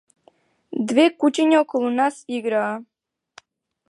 Две кучиња околу нас играа.